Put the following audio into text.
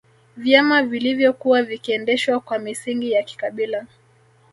Vyama vilivyokuwa vikiendeshwa kwa misingi ya kikabila